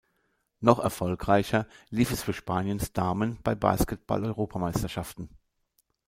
Noch erfolgreicher lief es für Spaniens Damen bei Basketball-Europameisterschaften.